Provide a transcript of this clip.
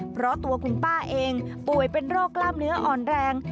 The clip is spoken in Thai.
เพราะตัวคุณป้าเองป่วยเป็นโรคกล้ามเนื้ออ่อนแรง